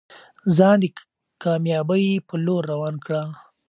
ځان د کامیابۍ په لور روان کړه.